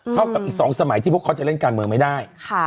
กับอีก๒สมัยที่พวกเขาจะเล่นการเมืองไม่ได้